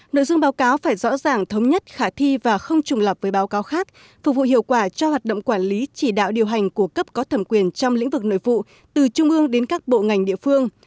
nội dung báo cáo phải rõ ràng thống nhất khả thi và không trùng lập với báo cáo khác phục vụ hiệu quả cho hoạt động quản lý chỉ đạo điều hành của cấp có thẩm quyền trong lĩnh vực nội vụ từ trung ương đến các bộ ngành địa phương